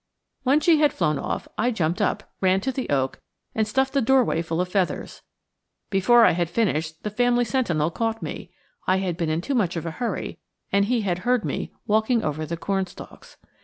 When she had flown off, I jumped up, ran to the oak, and stuffed the doorway full of feathers. Before I had finished, the family sentinel caught me I had been in too much of a hurry and he had heard me walking over the cornstalks.